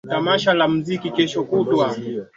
sisi naita siku kama hii hiddul idd el hajj